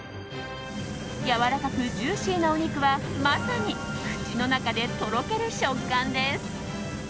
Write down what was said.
やわらかくジューシーなお肉はまさに口の中でとろける食感です。